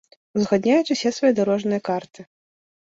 Узгадняюць усе свае дарожныя карты.